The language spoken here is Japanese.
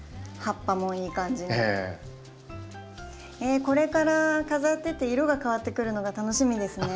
えっこれから飾ってて色が変わってくるのが楽しみですね。